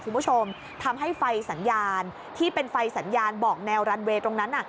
คุณผู้ชมทำให้ไฟสัญญาณที่เป็นไฟสัญญาณบอกแนวรันเวย์ตรงนั้นน่ะ